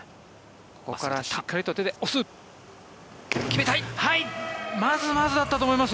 ここからしっかりと手で押す。